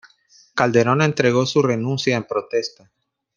Calderón entregó su renuncia en protesta.